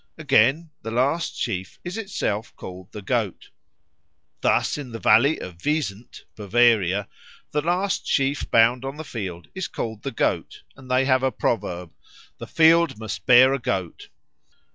Again, the last sheaf is itself called the Goat. Thus, in the valley of the Wiesent, Bavaria, the last sheaf bound on the field is called the Goat, and they have a proverb, "The field must bear a goat."